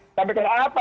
saya tidak mau sampai